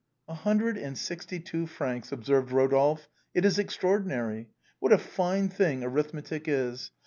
" A hundred and sixty two francs," observed Eodolphe, " it is extraordinary. What a fine thing arithmetic is.